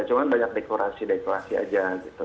cuma banyak dekorasi dekorasi aja gitu